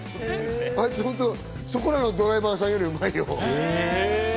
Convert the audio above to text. あいつ、本当そこらへんのドライバーさんよりうまいのよ。